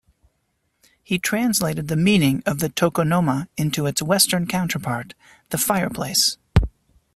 He translated the meaning of the tokonoma into its western counterpart: the fireplace.